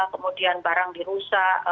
kemudian barang dirusak